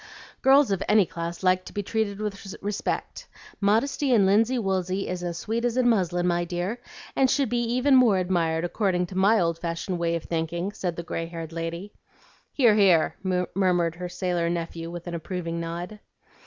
"Girls of any class like to be treated with respect. Modesty in linsey woolsey is as sweet as in muslin, my dear, and should be even more admired, according to my old fashioned way of thinking," said the gray haired lady. "Hear! hear!" murmured her sailor nephew with an approving nod.